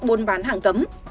buôn bán hàng cấm